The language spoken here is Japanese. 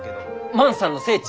万さんの聖地？